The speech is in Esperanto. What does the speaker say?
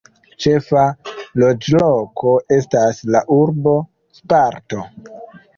Ĉefa loĝloko estas la urbo "Sparto".